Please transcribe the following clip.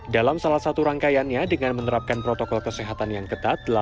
dalam salah satu rangkaiannya dengan menerapkan protokol kesehatan yang ketat